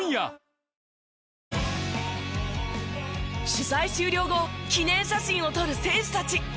取材終了後記念写真を撮る選手たち。